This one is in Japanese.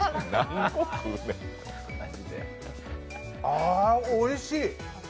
あ、おいしい。